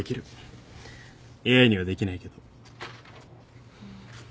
ＡＩにはできないけど。